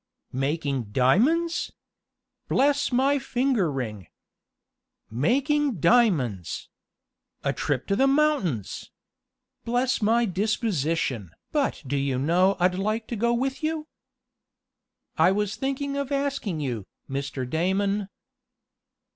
"Making diamonds! Bless my finger ring! Making diamonds! A trip to the mountains! Bless my disposition! but do you know I'd like to go with you!" "I was thinking of asking you, Mr. Damon."